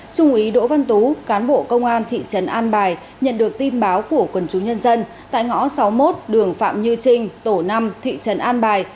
trung úy đỗ văn tú cán bộ công an thị trấn an bài nhận được tin báo của quần chú nhân dân tại ngõ sáu mươi một đường phạm như trình tổ năm thị trấn an bài